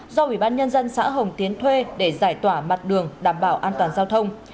do ủy ban nhân dân xã hồng tiến thuê để giải tỏa mặt đường đảm bảo an toàn giao thông